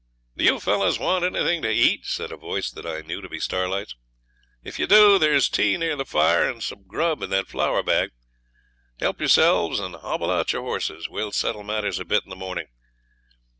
'Do you fellows want anything to eat?' said a voice that I knew to be Starlight's. 'If you do there's tea near the fire, and some grub in that flour bag. Help yourselves and hobble out your horses. We'll settle matters a bit in the morning.